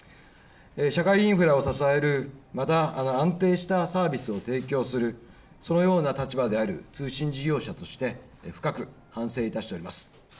社会インフラを支える、また安定したサービスを提供するそのような立場である通信事業者として深く反省しいたしております。